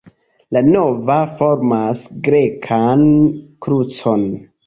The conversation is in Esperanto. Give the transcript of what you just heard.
La navo formas grekan krucon.